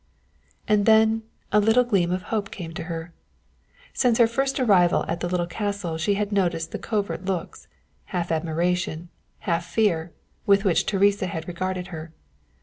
And then a little gleam of hope came to her. Since her first arrival at the little castle she had noticed the covert looks, half admiration, half fear, with which Teresa had regarded her.